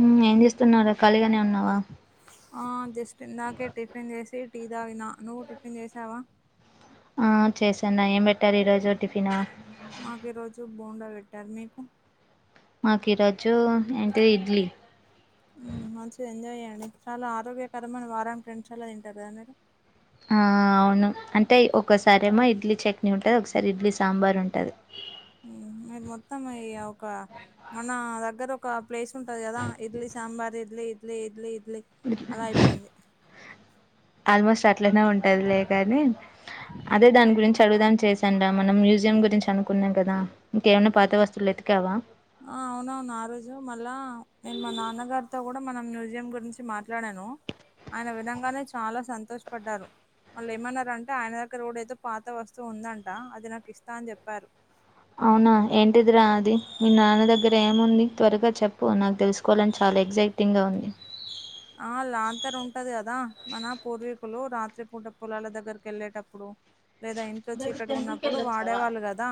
ఉ ఏం జేస్తున్నావ్ రా ఖాళీగానే ఉన్నావా ఆ జస్టిందాకే టిఫిన్ జేసి టీ తాగిన నువ్వు టిఫిన్ జేసావా ఆ చేశాన్న ఏం బెట్టారు ఈ రోజు టిఫిన మాకు ఈ రోజు బోండా వెట్టారు మీకు మాకీరోజు ఏంటి ఇడ్లీ ఉ మంచిదె ఎంజాయ్ జేయ్యండి చాలా ఆరోగ్యకరమైన వారానికి రెండు సార్ల దింటారు గదా మీరు ఆ అవును అంటే ఒక్కసారేమో ఇడ్లీ చట్నీ ఉంటద్ ఒకసారి ఇడ్లీ సాంబార్ ఉంటది మ్మ్, మీరు మొత్తం ఈ ఒక మన దగ్గర ఒక ప్లేస్ ఉంటది కదా ఇడ్లీ సాంబార్ ఇడ్లీ ఇడ్లీ ఇడ్లీ ఇడ్లీ అలా అయిపెయింది ఆల్మోస్ట్ అట్లనే ఉంటదిలే కానీ అదే దాని గురించి అడుగుదాం చేసాన్ రా మనం మ్యూజియం గురించి అనుకున్నాం కదా ఇంకేమైనా పాత వస్తువులై క్యావా ఆ అవునవును ఆ రోజు మళ్ళా నేను మా నాన్నగారితో గూడా మన మ్యూజియం గురించి మాట్లాడ్యాన్ ను ఆయన విధంగానే చాలా సంతోష్ పడ్డారు వళ్ళు ఏమన్నారంటే ఆయన దగ్గర గుడ ఏతో పాత వస్తువు ఉందంట అది నాకి ఇస్తా అన్ జెప్యారు అవునా ఏంటిది రా అది మీ నాన్న దగ్గర ఏముంది త్వరగా చెప్పు నాకు తెసుకోలని చా లెగ్జైటింగ్గా ఉంది ఆ లాంతరుంటది గదా మన పూర్వీకులు రాత్రి పూట పొలాల దగ్గరికెళ్ళేటప్పుడు లేదా ఇంట్లో చీకటిగున్నప్పుడు వాడేవాళ్ళు గదా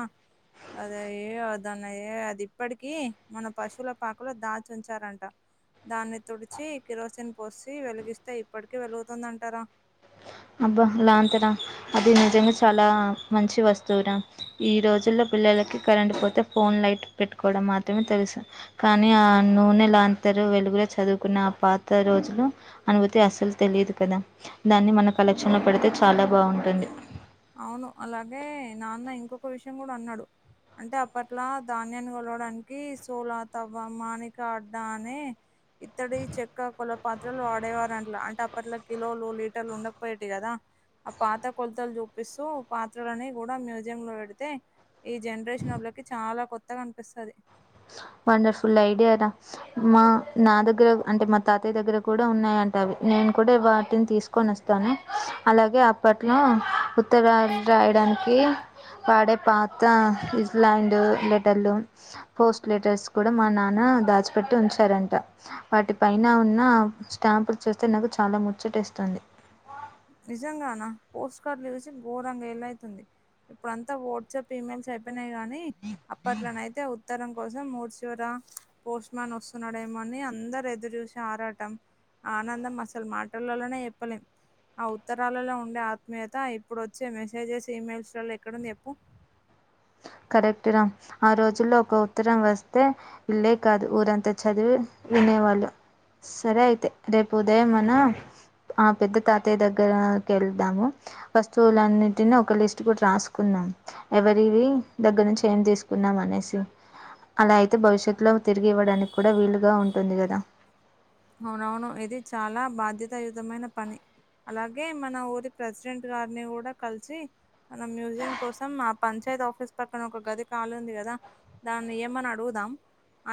అదయ్యే దానాయే అది ఇప్పడికి మన పశుల పాకలో దాచుంచారంట దాన్ని తుడిచి కిరోసిన్ పోసి వెలిగిస్తే ఇప్పటికి వెలుగుతుందంట రా అబ్బా లాంతరా అది నిజంగా చాలా మంచి వస్తువు రా ఈ రోజుల్లో పిల్లలకి కరెంటు పోతే ఫోన్ లైట్ పెట్టుకోడం మాత్రమే తెలుసు కానీ ఆ నూనెలాంత రు వెలుగులో చదువుకున్న ఆ పాత రోజులు అనుభూతి అసలు తెలీదు కదా దాన్ని మనక్ కలెక్షండ్లో పెడితే చాలా బావుంటుంది అవును అలాగే నాన్న ఇంకొక విషయం గూడా అన్నాడు అంటే అప్పట్లా ధాన్యాన్ని కొలవడానికి సోల తవ్వ మానిక అడ్డా అనీ ఇత్తడి చెక్క కొల పాత్రలు వాడేవారు అంట్ల అంటే అప్పట్లో కిలోలు లీటర్లు ఉండకపోయేటివి గదా ఆ పాత కొల్తల్ జు పిస్తు పాత్రలని గూడా మ్యూజియం లో బెడితే ఈ జండ్రేషనోళ్ళకి చాలా కొ కొత్తగ అనిపిస్తది వండర్ఫుల్ ఐడియా రా మా నా దగ్గర అంటె మా తాతయ్య దగ్గర కూడా ఉన్నాయం నేను కూడా వాటిని తీసుకొని వస్తాను అలాగే అప్పట్లో ఉత్తరాల్ రాయడానికి వాడే పాత ఇజ్ల్యాండ్ లెటర్లు పోస్ట్ లెటర్స్ కూడ మా నాన్న దాచిపెట్టి ఉంచారంట వాటి పైన ఉన్న స్టాం పులు చేస్తే నాకు చాలా ముచ్చటేస్తుంది నిజంగానా పోస్ట్ కార్డులు చూసి ఘోరంగా ఏల్లయితుంది ఇప్పుడంతా వాట్సాప్ పేమెంట్స్ అయిపోయినాయి గానీ అప్పట్లనయితే ఉ ఉత్తరం కోసం ఊరి చివర పోస్ట్ మన్ వస్తున్నాడేమోఅని అందరు ఎదురు చూసే ఆరాటం ఆనందం అసలు మాటలల్లనే చెప్పలేం ఆ ఉత్తరాలలో ఉండే ఆత్మీయత ఇప్పుడు వచ్చే మెసేజెస్ ఇమెయిల్స్లలో ఎక్కడుంది చెప్పు పెట్టినం ఆ రోజుల్లో ఒక ఉత్తరం వస్తే ఇల్లే కాదు ఊరంత చదివి వినే వాళ్ళు సరే అయితే రేపు ఉదయం మనా ఆ పెద్ద తాతయ్య దగ్గరకెల్తాము వస్తువులన్నిటిని ఒక లిస్ట్ కూడా రాసుకున్నా ఎవరివి దగ్గర నుంచి ఏం తీసుకున్నాం అనేసి అలా అయితే భవిష్యత్తులో తిరిగి ఇవ్వడానికి కూడా వీలుగా ఉంటుంది కదా అవునవును ఇది చాలా బాధ్యతాయుతమైన పని అలాగే మన ఊరి ప్రెసిడెంట్ గారిని కూడా కలిసి మన మ్యూజియం కోసం ఆ పంచాయత్ ఆఫీస్ పక్కన ఒక గది కాలి ఉంది కదా దాన్ని ఇయ్యమని అడుగుదాం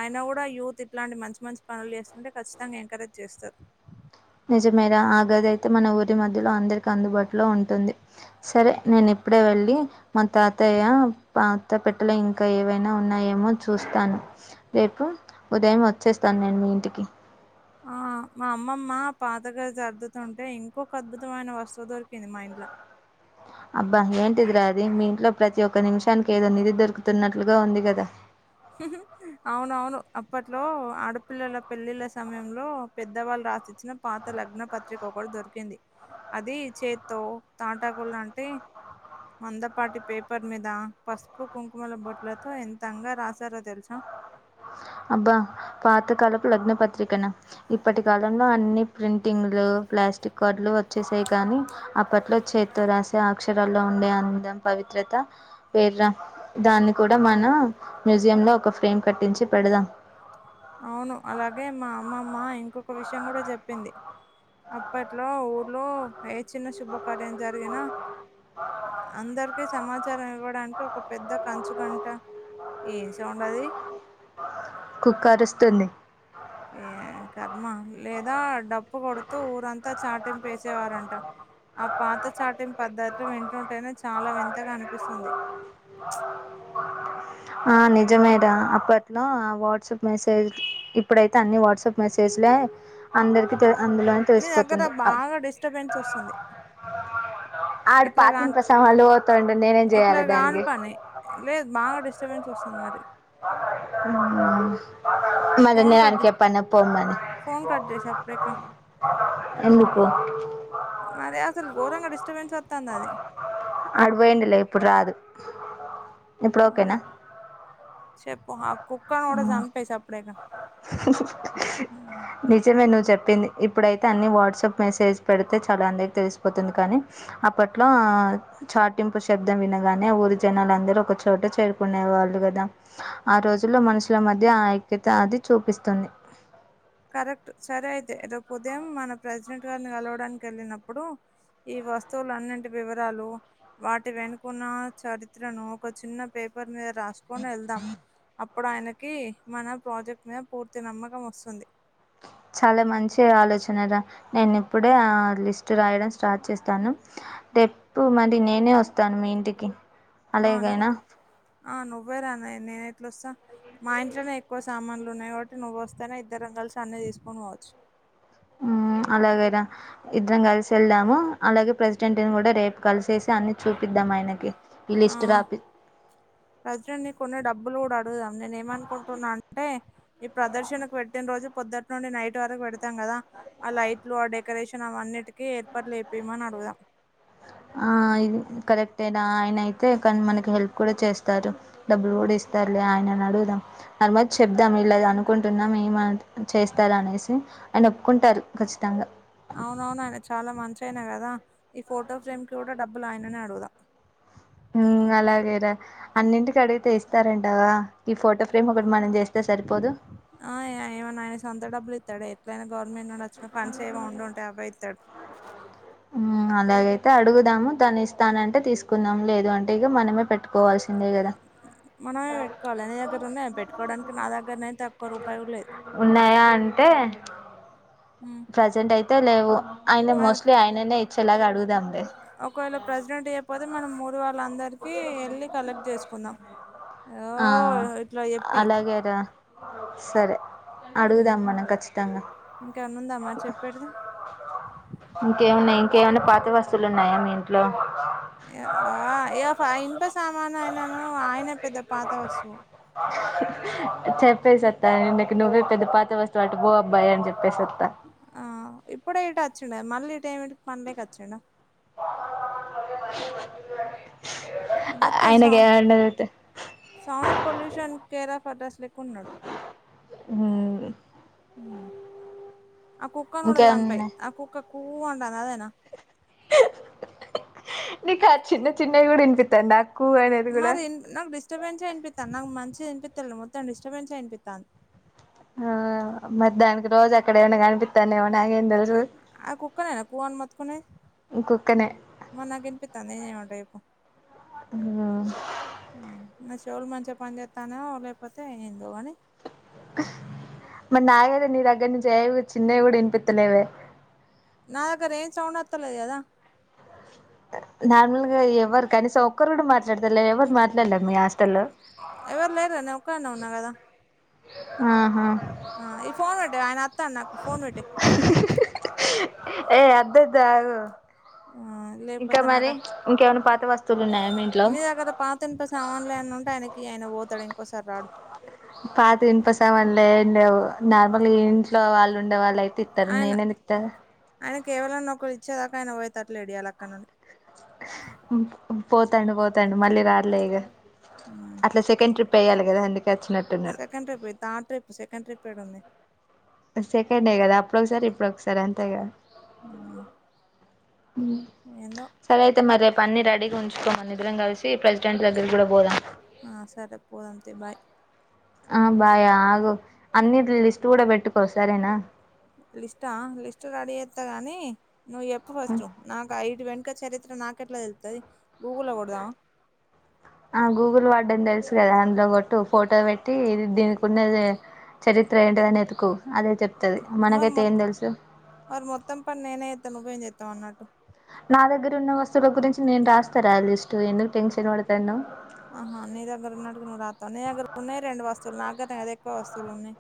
అయిన కూడా యూత్ ఇట్లాంటి మంచి మంచి పనులు చేస్తుంటే ఖచ్చిత జంగా ఎంకరేజ్ చేస్తారు. నిజమేర ఆగది అయితే మన ఊరి మధ్యలో అందరికి అందుబాటులో ఉంటుంది సరే నేను ఇ ప్పుడే వెళ్ళి మ తాతయ్య పాత పెట్టలో ఇంకా ఏవైనా ఉన్నాయేమో చూస్తాను రేపు ఉదయం వచ్చేస్తాను నేను ఇంటికి ఆ! మా అమ్మమ్మ పాతగది సర్దుతుంటే ఇంకొక అద్భుతమైన వస్తువు దొరికింది మా ఇంట్ల అబ్బా ఏంటిది రా అది మీ ఇంట్లో ప్రతి ఒక్క నిమిషానికి ఏదో నిధి దొరుకుతున్నట్లుగా ఉంది కదా అవునవును అప్పట్లో ఆడపిల్లల పెళ్లిళ్ళ సమయంలో పెద్దవాళ్ళు రాసిచ్చిన పాత లగ్న పత్రిక కూడా దొరికింది అది చేతో తాటాకులాంటి మందపాటి పేపర్ మీద పసుపు కుంకుమల బొట్లతో ఎంతంగా రాసి సారో తెలుసా అబ్బా పాతకాలపు లగ్న పత్రికనా ఇప్పటి కాలంలో అన్ని ప్రింటింగ్లూ, ప్ల స్టిక్ కాడ్లు వచ్చేసాయి కానీ అప్పట్లో చేత్తో రాసే అక్షరాల్లో ఉండే అందం పవిత్ర త పేర్ల దాన్ని కూడా మనం మ్యూజియం లో ఒక ఫ్రేమ్ కట్టించి పెడుదాం అవును అలాగే మా అమ్మమ్మ ఇంకొక విషయం కూడా చెప్పింది అప్పట్లో ఊర్లో ఏ చిన్న శుభకార్యం జరిగినా అందరికీ సమాచారం ఇవ్వడానికి ఒక పెద్ద కంచుగంట ఏం సౌండది కుక్కరుస్తుంది ఏ కర్మ లేదా డప్పు కొడుతూ ఊరంతా చాటింపేసేవారంట ఆ పాత చాటిం పద్ధతులు వింటుంటేనే చాలా వింతగా అనిపిస్తుంది ఆ నిజమే రా అప్పట్లో ఆ వాట్సాప్ మెసేజ్ ఇప్పుడైతే అన్ని వాట్సాప్ మెసేజ్ లే అందరికి తె అందులోనే నీ దగ్గర తెలిసిపోతుంది ఆ బాగా డిస్టర్బెన్స్ వస్తుంది ఆడు ఇట్లా పాత కాని ఇనుప సామాన్లు పోతుండె నేనేం ఇట్లా చేయాలి కాని దానికి పని లేదు బాగా డిస్టర్బెన్స్ వస్తుంది మరి హ్మ్ ఫోన్ కట్ ఫోన్ కట్ చేసా అప్పుడే ఇక ఎందుకు మరే అసలు ఘోరం గా డిస్ట్ ఆడు పోయిండిలే ఇప్పుడు రాదు ఇప్పుడు ఓకేనా చెప్పు ఆ కుక్కను కూడా చంపేసా అప్పుడిక నిజమె ను చెప్ ప్పింది ఇప్పుడైతే అన్ని వాట్సాప్ మెసేజ్ పెడితే చాలు అందరికీ తెలిసిపోతుంది కానీ అప్పట్లో చాటింపు శబ్దం వినగానే ఊరి జనాలు అందరూ ఒక చోట చేరుకునే వాళ్ళు కదా ఆ రోజుల్లో మనుషుల మధ్య ఆ ఐక్యత అది చూపిస్తుంది కరెక్ట్ సరే అయితే రేపు ఉదయం మన ప్రెసిడెంట్ గారిని కలవడానికి వెళ్ళినప్పుడు ఈ వస్తువులు అన్నింటి వివరాలు వాటి వెనుకన్న చరిత్రను ఒక చిన్న పే పర్ మీద రాసుకొని వెళ్దాం అప్పుడు ఆయనకి మన ప్రాజెక్ట్ మీద పూర్తి నమ్మకం వస్తుంది చాలా మంచి ఆలోచన రా నేను ఇప్పుడే ఆ లిస్ట్ రాయడం స్టార్ట్ చేస్తాను రేప్పు మరి నేనే వస్తాను మీ ఇంటికి అవును అలాగేనా ఆ నువ్వేరా న్నా నేను ఎట్లొస్తా మా ఇంట్లోనే ఎక్కువ సామాన్లు ఉన్నాయి కాబట్టి నువ్వు వస్తేనే ఇద్దరం కలిసి అన్నీ తీసుకని పోవచ్చు హ్మ్ అలాగేరా ఇద్దరం కలిసి వెళ్దాము అలాగే ప్రెసిడెంట్ని కూడా రేపు కలిసేసి అన్ని చూపిద్ ద్దా మాయనకి ఆ ప్రెసిడెంట్ ని కొన్ని డబ్బులు కూడా అడు గుదాం నేను ఏమనుకుంటున్నా అంటే ఈ ప్రదర్శనకు పెట్టిన రోజు పొద్దుట్ నుండి నైట్ వరకు పెడతాం కదా కదా ఆ లైట్లు ఆ డెకొరేషన్ అవన్నిటికీ ఏర్పాట్లు ఏపీయమని అడుగుదాం ఆ ఇది కరెక్ట్నా ఆయన అయితే కానీ మనకి హెల్ప్ కూడా చేస్తారు డబ్బులు కూడా ఇస్త స్తారులే ఆయనని అడుగుదాం దానిమీద చెప్దాం ఇలాగ అనుకుంటున్నాం ఏమ చేస్తారు అనేసి ఆయన ఒప్పుకుంటారు ఖచ్చితంగా అవునవునాయన చాలా మంచి ఆయన కదా ఈ ఫోటో ఫ్రేమ్ కి కూడా డబ్బులు ఆయననే అడుగుదాం హ్మ్ అలాగేరా అన్నింటికి అడిగితే ఇస్తారంటావా ఈ ఫోటో ఫ్రేమ్ ఒకటి మనం చేస్తే సరిపోదు ఆ ఏయ్ ఏమన్నా ఆయన సొంత డబ్బులు ఇత్ ఇస్తడు ఎట్లైనా గవర్నమెంట్ నుండొచ్చినా ఫండ్స్ ఏవో ఉండుంటాయి అవే ఇత్తాడు హ్మ్ అలాగైతే అడుగుదాము తాను ఇస్తానంటే తీసుకుందాం లేదు అంటే ఇక మనమే పెట్టుకోవాల్సిందే కదా మనమే పెట్టుకోవాలి నీ దగ్గర ఉన్నాయ పెట్టుకోవడానికి నా దగ్గరయితే ఉన్నాయా అంటే ఉమ్, ప్రజెంట్ అయితే లేవు ఆయన మరి మోస్ట్లీ ఆయననే ఇచ్చేలాగ అడుగు ఒకవేళ ప్రెసిడెంట్ ఈయకపోతే మనం ఊరి వాళ్ళ వాళ్ళందరికి వెళ్ళి కలెక్ట్ చేసుకుందాం ఓ ఆ ఇట్లా చెప్పి అలాగే రా సరే అడుగుదాం మనం ఖచ్చితంగా ఇంకేమన్నా ఉందా మరి చెప్పేటిది ఇంకేమున్నయ్ ఇంకేమన్నా పాత వస్తువులు ఉన్నాయా మీ ఇంట్లో ఇగ ఇనుప [unintelligible] సామాను ఆ ఆయనను ఆయనే పెద్ద పాత వస్తువు చెప్పేసి వస్తా నీకు నువ్వే పెద్ద పాత వస్తువు అటు పో అబ్బాయి అని చెప్పేస్తా ఆ ఇప్పుడే ఇటు అచ్చిండే మళ్ళీ ఇటు ఏమిటికి పనిలేక వచ్చిండా పాత సామాన్ బండి మళ్ళీ వచ్చిందండి మొత్తం సౌండ్ ఆయనకేదన్న అడితే సౌండ్ పొల్యూషన్ కేరాఫ్ అడ్రస్ లేక్కున్నాడు హ్మ్ ఉమ్ ఆ కుక్కను కూడ సంపేయ్ ఇంకేమన్నాయి ఆ కుక్క కూ అంటంది అదేనా నీకా చిన్న చిన్నవి గూడా వినిపిత్తుందా మరి నాకు డిస్టర్బెన్సే ఇనిపిత్తాంది నాకు మంచి ఇనిపిత్తలే మొత్తం డిస్టబెన్సే ఇనిపిత్తంది ఆ మరి దానికి రోజ్ అక్కడే ఏమన్న కనిపిత్తనయో నాకేం దెల్ ఆ కుక్కనేనా కూ అని మొత్తుకునేది కుక్కనే మరి నాకినిపిత్తంది ఏం చేయమంటావ్ చెప్పు హ్మ్ ఉమ్ చెవులు మంచిగా పని జెత్తన్నయో లేపోతే ఎందో గాని మరి నాకు గూడా నీ దగ్గర నుంచి ఏవి చిన్నవి కూడా వినిపిత్తలేవే నా దగ్గర ఏం సౌండ్ వత్తలేదు గదా నార్మల్గా ఎవరు కనీసం ఒక్కరు కూడా మాట్లాడతలే ఎవరు మాట్లాడలే మీ హస్టల్లో ఎవరు లేరు నే ఒక్కదాన్నే ఉన్నా గదా ఆహా ఆ ఈ ఫోన్ పెట్టేయ్ ఆయన వత్తా నాకు ఫోన్ పెట్టేయ్ ఏయ్ అద్దద్దు అగు లేకపోతేనట ఉన్నాయా మీ ఇంట్లో నీదగ్గర పాత ఇనుప సామాన్లు ఏమన్నా ఉంటే ఆయనకిీ బోతడు ఇంకోసారి రాడు పాత ఇన్పసామాన్లు ఏం లెేవు నార్మల్గా ఇంట్లో వా ళ్ళుండే వాళ్ళయితే ఇత్తర్ నేనందుకిత్త ఆయన కేవలన్నా ఒక్కలు ఇచ్చేదాకా ఆయన పోయేతట్ లెడ్ ఇయాల అక్కడ నుండి పోతాండు పోతాండు మళ్ళీ రాడ్ లే ఇగా అట్లా సెకండ్ ట్రిప్ ఏయ్యాలి కదా అందు సెకండ్ ట్రిప్ యి థర్డ్ ట్రిప్ సెకండ్ ట్రిప్ ఎడుంది సెకండ్ డే గదా అప్పుడు ఒకసారి ఇప్పుడు ఒకసారి అంతేగా ఉమ్ ఉమ్ సరైతే మరి రేప్ పన్ని రెడీగా ఉంచుకో మనిద్రం గలిసి ప్రెసిడెంట్ దగ్గర గూడ పోదాం ఆ సరే పోదాంతీ బాయ్ ఆ బాయా ఆగు అన్ని లిస్ట్ గూడ పెట్టుకో సరేనా లిస్టా లిస్ట్ రెడీ చేత్తా గాని నువ్వు చెప్పు ఫస్ట్ నాకు అయిదు గం గా చరిత్ర నాకెట్ల దెలుత్తది గూగుల్లో గొడదామా ఆ గూగుల్ వాడ్డం దెలుసు గదా అందులో గొట్టు ఫోటో పెట్టి దీనికున్నది చరిత్ర ఏంటిదని ఎతుకు అదే చెప్తది మరి మొ మనకైతే ఏం తెలుసు మరి మొత్తం పని నేనేచేత్తే మరి నువ్వేం చేత్తవ్ అన్నట్టు చెరాయ్ లిస్ట్ ఎందుకు టెన్షన్ పడతన్నావ్ ఆహా నీ దగ్గర ఉన్నట్టుగా ను రాత్త నే నీ దగ్గర ఉన్నాయి రెండు వస్తువులు నాగ్గర్నె కదా అది ఎక్కువ వస్తువులు ఉన్నాయి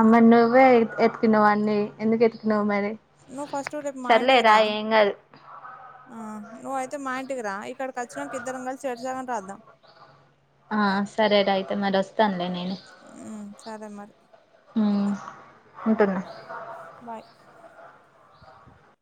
అమ్మి నువ్వే ఎత్కినవ్ వాడ్ని ఎందుకు ఎత్కినవు మరి నువ్వు ఫస్ట్ రేపు మా సర్లే రా ఇంటికిరా ఏం కాదు ఆ నువ్ అయితే మా ఇంటికిరా ఇక్కడ అచ్చినక ఇద్దరం కలిశి చెరి సగం రాద్దాం ఆ సరే రా అయితే మరి వస్తానులే నెన్ మ్మ్ సరే మరి ఉంటున్న బాయ్